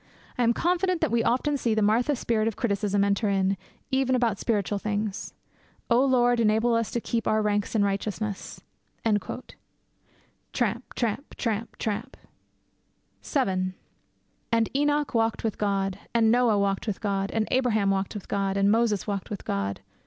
I am confident that we often see the Martha spirit of criticism enter in, even about spiritual things. O Lord, enable us to keep our ranks in righteousness!' Tramp! tramp! tramp! tramp! VII 'And Enoch walked with God.' 'And Noah walked with God.' 'And Abraham walked with God.' 'And Moses walked with God.'